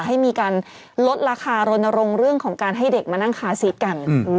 ให้มีการลดราคารณรงค์เรื่องของการให้เด็กมานั่งคาซีสกัน